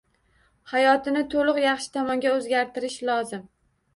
Hayotini to’liq yaxshi tomonga o’zgartirish lozim.